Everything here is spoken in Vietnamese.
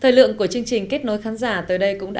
thời lượng của chương trình kết nối khán giả tới đây cũng đã